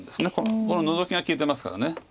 このノゾキが利いてますから。